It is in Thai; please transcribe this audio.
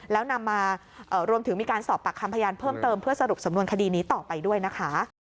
แล้วนำมารวมถึงมีการสอบปากคำพยานเพิ่มเติมเพื่อสรุปสำนวนคดีนี้ต่อไปด้วยนะคะ